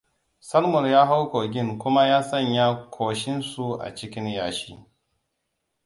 Salmon ya hau kogin kuma ya sanya ƙoshinsu a cikin yashi.